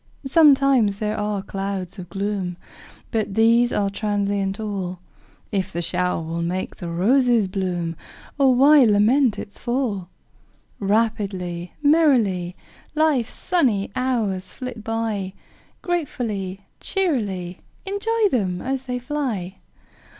Sometimes there are clouds of gloom, But these are transient all; If the shower will make the roses bloom, O why lament its fall? Rapidly, merrily, Life's sunny hours flit by, Gratefully, cheerily Enjoy them as they fly!